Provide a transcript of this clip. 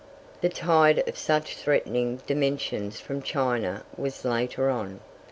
The tide of such threatening dimensions from China was later on.